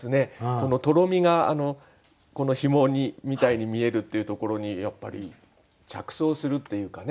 このとろみが紐みたいに見えるというところに着想するっていうかね